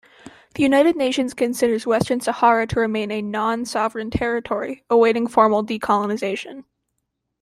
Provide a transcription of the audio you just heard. The United Nations considers Western Sahara to remain a Non-Sovereign Territory, awaiting formal decolonization.